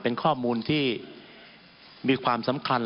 เป็นข้อมูลที่มีความสำคัญ